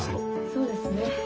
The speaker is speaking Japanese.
そうですね。